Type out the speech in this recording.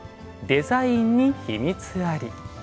「デザインに秘密あり」。